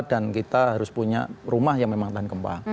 dan kita harus punya rumah yang memang tahan gempa